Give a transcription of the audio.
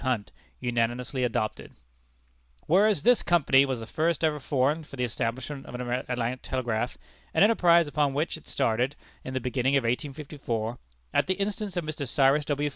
Hunt, unanimously adopted: Whereas, This Company was the first ever formed for the establishment of an Atlantic Telegraph; an enterprise upon which it started in the beginning of 1854, at the instance of Mr. Cyrus W.